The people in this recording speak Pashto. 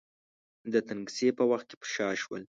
د تنګسې په وخت کې پر شا شول.